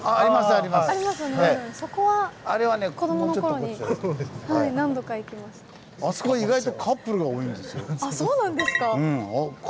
あそこ意外とカップルが多いんですよ。